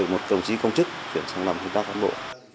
một đồng chí công chức chuyển sang lòng của các cán bộ